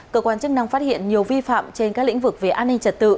cơ quan chức năng phát hiện nhiều vi phạm trên các lĩnh vực về an ninh trật tự